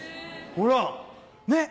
ほらねっ！